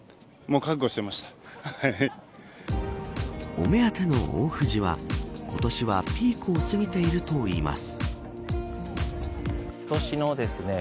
お目当ての大藤は今年はピークを過ぎているといいます。